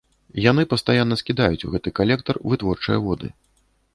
Яны пастаянна скідаюць у гэты калектар вытворчыя воды.